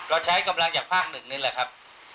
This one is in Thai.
ก็ใช้กำลังจากภาคหนึ่งนี่แหละครับ